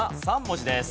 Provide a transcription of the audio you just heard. ３文字です。